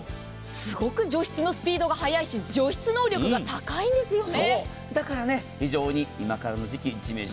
すごく除湿のスピードが速いし除湿能力が高いんですよね。